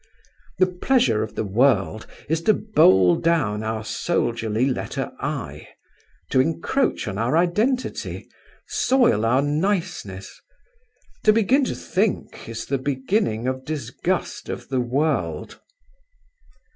The pleasure of the world is to bowl down our soldierly letter I; to encroach on our identity, soil our niceness. To begin to think is the beginning of disgust of the world.